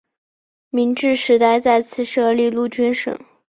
明治时代在此设立陆军省。